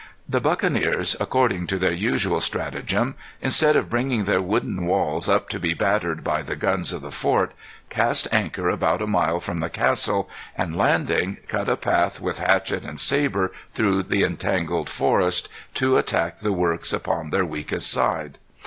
The buccaneers, according to their usual stratagem, instead of bringing their wooden walls up to be battered by the guns of the fort, cast anchor about a mile from the castle, and landing, cut a path with hatchet and sabre through the tangled forest, to attack the works upon their weakest side.